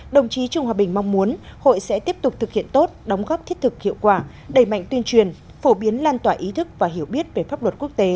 đồng chí trung hòa bình có sự hiệu quả đầy mạnh tuyên truyền phổ biến lan tỏa ý thức và hiểu biết về pháp luật quốc tế